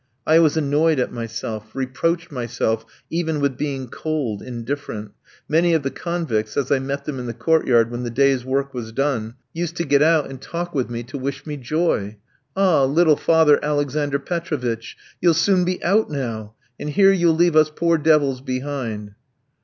I was annoyed at myself, reproached myself even with being cold, indifferent. Many of the convicts, as I met them in the court yard when the day's work was done, used to get out, and talk with me to wish me joy. "Ah, little Father Alexander Petrovitch, you'll soon be out now! And here you'll leave us poor devils behind!"